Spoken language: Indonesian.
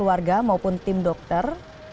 pihak keluarga maupun tim dokter